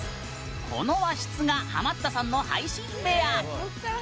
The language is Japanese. この和室がハマったさんの配信部屋。